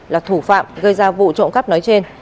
là thủ phạm gây ra vụ trộm cắp nói trên